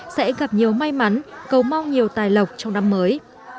sẽ gặp nhiều may mắn cầu mong nhiều tài lộc trong năm mới